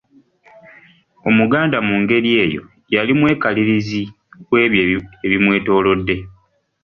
Omuganda mu ngeri eyo yali mwekalirizi webyo ebimwetoolodde.